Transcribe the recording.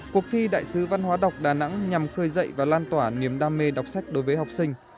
cuộc thi đại sứ văn hóa đọc đà nẵng nhằm khơi dậy và lan tỏa niềm đam mê đọc sách đối với học sinh